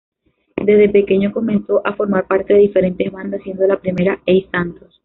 Desde pequeño comenzó a formar parte de diferentes bandas, siendo la primera "Hey Santos!".